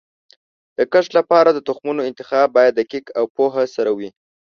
د کښت لپاره د تخمونو انتخاب باید دقیق او پوهه سره وي.